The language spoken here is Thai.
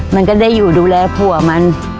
มันก็ได้อยู่ดูแลผัวมัน